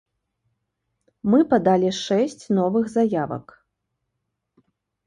Мы падалі шэсць новых заявак.